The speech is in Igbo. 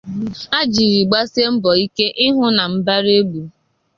ha jiri gbasie mbọ ike ịhụ na mbara egburu